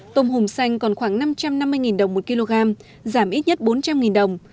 tôm hùm xanh còn khoảng năm trăm năm mươi đồng một kg giảm ít nhất bốn trăm linh đồng